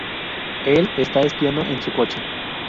Él está espiando en su coche.